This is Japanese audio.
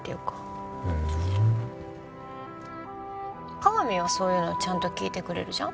加賀美はそういうのちゃんと聞いてくれるじゃん？